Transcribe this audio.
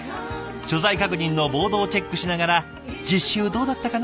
所在確認のボードをチェックしながら「実習どうだったかな？」